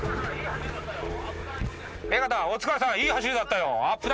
目片お疲れさんいい走りだったよアップ